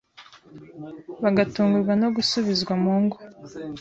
bagatungurwa no gusubizwa mu ngo